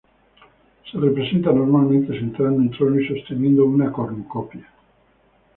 Se representa normalmente sentada en un trono y sosteniendo una cornucopia.